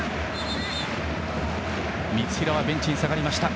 三平はベンチに下がりました。